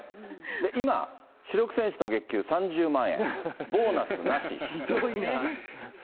今、主力選手の月給３０万円、ひどいな。